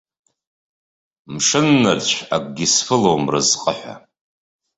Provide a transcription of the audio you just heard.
Мшыннырцә акгьы сԥылом разҟы ҳәа.